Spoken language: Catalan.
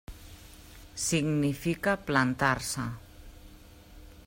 Significa plantar-se.